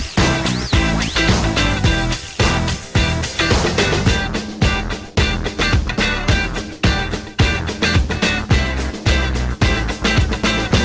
โปรดติดตามตอนต่อไป